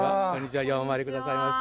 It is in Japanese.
ようお参りくださいました。